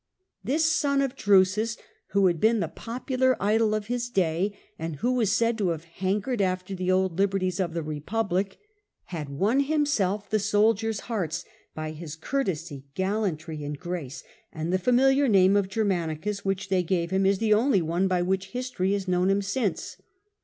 This son of Drusus, who had been the popular idol of his day, and who was said to have hankered after the old liberties of the Republic, had won himself the soldiers' hearts by his courtesy, gallantry, and grace, and the familiar name of Germanicus which they gave him is the only one by which history has known him since.